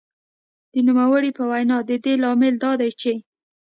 د نوموړې په وینا د دې لامل دا دی چې